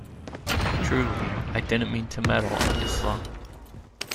Truly, I didn’t mean to meddle, Isla.